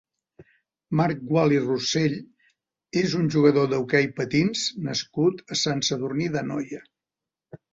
Marc Gual i Rossell és un jugador d'hoquei patins nascut a Sant Sadurní d'Anoia.